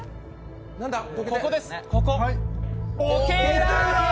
ここです。